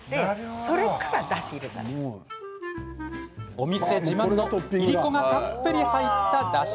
お店自慢のいりこがたっぷり入った、だし。